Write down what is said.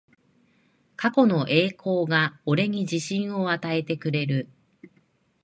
過去の栄光が俺に自信を与えてくれる